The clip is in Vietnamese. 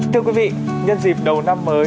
thưa quý vị nhân dịp đầu năm mới